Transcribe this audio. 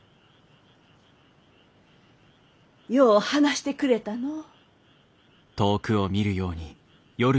よう話してくれたのう。